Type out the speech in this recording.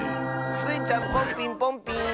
スイちゃんポンピンポンピーン！